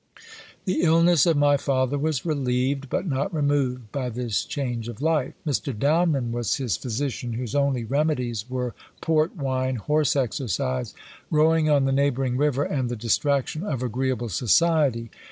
The illness of my father was relieved, but not removed, by this change of life. Dr. Downman was his physician, whose only remedies were port wine, horse exercise, rowing on the neighbouring river, and the distraction of agreeable society.